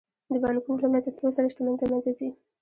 د بانکونو له منځه تلو سره شتمني له منځه ځي